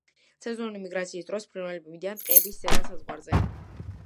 სეზონური მიგრაციის დროს ფრინველები მიდიან ტყეების ზედა საზღვარზე.